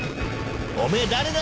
おめえ誰だ？